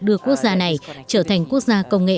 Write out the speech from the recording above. đưa quốc gia này trở thành quốc gia công nghệ